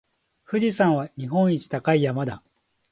富士山は日本一高い山だ。